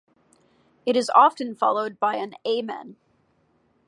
It is often followed by an "Amen".